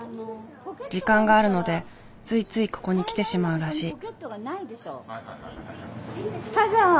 時間があるのでついついここに来てしまうらしい。